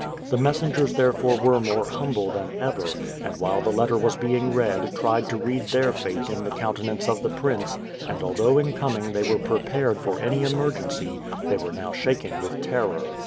The messengers therefore were more humble than ever and, while the letter was being read tried to read their fate in the countenance of the prince and although in coming they were prepared for any emergency they were now shaking with terror.